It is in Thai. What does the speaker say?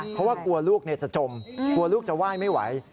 เพราะว่ากลัวลูกจะจมกลัวลูกจะไหว้ไม่ไหว